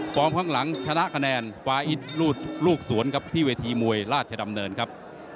ข้างหลังชนะคะแนนฟ้าอิตลูกสวนครับที่เวทีมวยราชดำเนินครับ